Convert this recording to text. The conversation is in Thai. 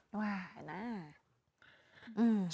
ว่ายนะ